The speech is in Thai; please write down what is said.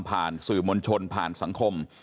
ผ่านสื่อบมลชนผ่านสังคม